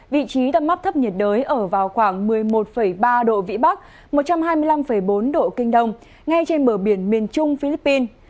vị trí tâm áp thấp nhiệt đới ở vào khoảng một mươi một ba độ vĩ bắc một trăm hai mươi năm bốn độ kinh đông ngay trên bờ biển miền trung philippines